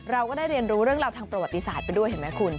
เราก็ได้เรียนรู้เรื่องราวทางประวัติศาสตร์ไปด้วยเห็นไหมคุณ